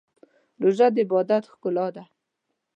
روژه د عبادت ښکلا ده.